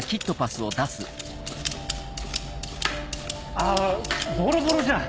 あぁボロボロじゃん！